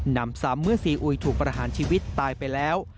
นำซ้ำเมื่อซีอุยถูกประหารชีวิตตายไปแล้ว